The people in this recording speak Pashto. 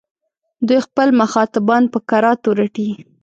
دوی خپل مخاطبان په کراتو رټي.